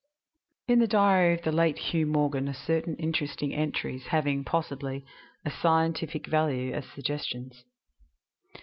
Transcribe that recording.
IV In the diary of the late Hugh Morgan are certain interesting entries having, possibly, a scientific value as suggestions.